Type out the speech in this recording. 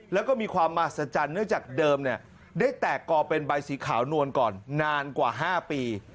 แล้วก็มีความมหัศจรรย์เนื่องจากเดิมได้แตกกอเป็นใบสีขาวนวลก่อนนานกว่า๕ปี